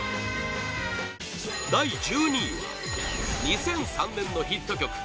第１２位は２００３年のヒット曲